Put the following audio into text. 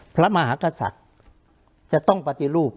พระมหากษัตริย์จะต้องปฏิรูป